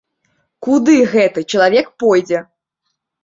Куды гэты чалавек пойдзе?